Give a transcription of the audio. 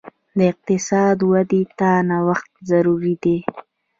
د اقتصاد ودې ته نوښت ضروري دی.